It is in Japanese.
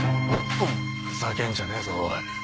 ふざけんじゃねぇぞおい